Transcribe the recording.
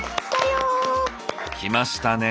きましたね。